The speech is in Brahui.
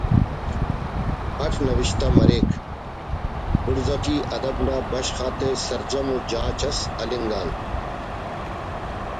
اٹ نوشتہ مریک بڑز اٹی ادب نا بشخ آتا سرجم ءُ جاچ اس ہلنگ آن